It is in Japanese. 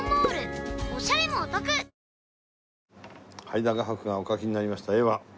はいだ画伯がお描きになりました絵は。